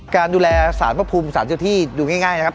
การดูแลสารพระภูมิสารเจ้าที่ดูง่ายนะครับ